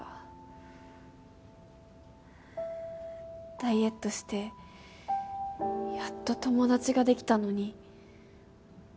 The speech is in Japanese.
ダイエットしてやっと友達ができたのに。